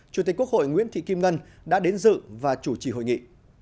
chủ tịch quốc hội nguyễn thị kim ngân đã đến dự và chủ trì hội nghị